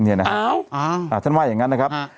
นี่นะครับท่านว่าอย่างนั้นนะครับ